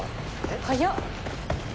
早っ！